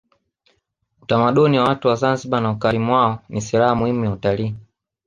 utamaduni wa watu wa zanzibar na ukarimu wao ni silaha muhimu ya utalii